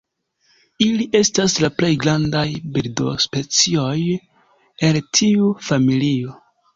Ili estas la plej grandaj birdospecioj el tiu familio.